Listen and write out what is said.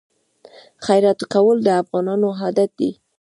خیرات کول د افغانانو عادت دی.